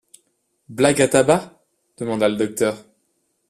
Blague à tabac? demanda le docteur.